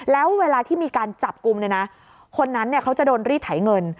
แล้วเวลาที่มีการจับกลุ่มเนี่ยนะคนนั้นเขาจะโดนรีดไถเงิน